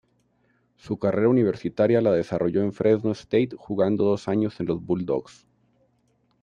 Su carrera universitaria la desarrolló en Fresno State, jugando dos años en los "Bulldogs".